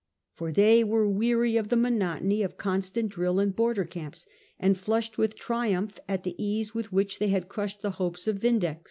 For they were weary of the monotony of constant drill and bor der camps, and flushed with triumph at the ease with which they had crushed the hopes of Vindex.